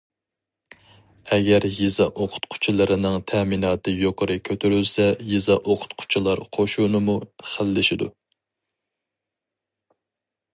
ئەگەر يېزا ئوقۇتقۇچىلىرىنىڭ تەمىناتى يۇقىرى كۆتۈرۈلسە يېزا ئوقۇتقۇچىلار قوشۇنىمۇ خىللىشىدۇ.